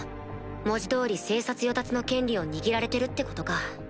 文字通り生殺与奪の権利を握られてるってことか。